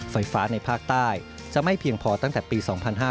ไฟฟ้าในภาคใต้จะไม่เพียงพอตั้งแต่ปี๒๕๕๙